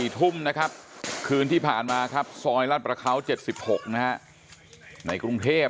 ๔ทุ่มนะครับคืนที่ผ่านมาครับซอยรัฐประเขา๗๖นะฮะในกรุงเทพ